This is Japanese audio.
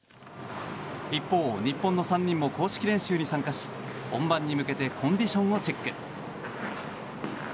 一方、日本の３人も公式練習に参加し本番に向けてコンディションをチェック。